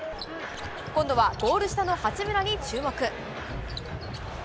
今度はゴール下の八村に注目。